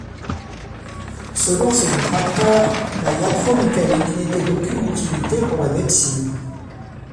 Selon ses détracteurs, la iatromécanique n'était d'aucune utilité pour la médecine.